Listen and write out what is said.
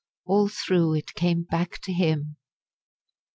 All through it came back to him.